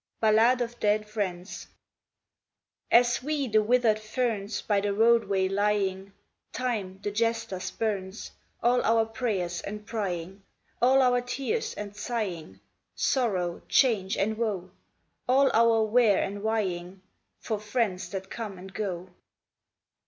Ballade of Dead Friends As we the withered ferns By the roadway lying, Time, the jester, spurns All our prayers and prying All our tears and sighing, Sorrow, change, and woe All our where and whying For friends that come and go.